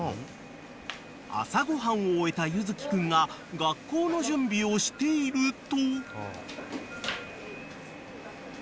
［朝ご飯を終えた優月君が学校の準備をしていると］